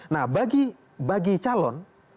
nah bagi calon